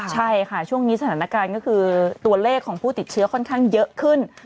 ใช่ค่ะช่วงนี้สถานการณ์ก็คือตัวเลขของผู้ติดเชื้อค่อนข้างเยอะขึ้น